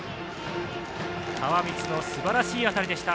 川満のすばらしい当たりでした。